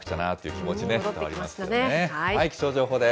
気象情報です。